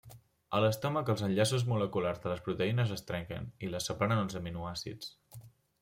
A l'estómac els enllaços moleculars de les proteïnes es trenquen i les separen en aminoàcids.